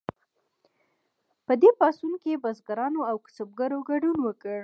په دې پاڅون کې بزګرانو او کسبګرو ګډون وکړ.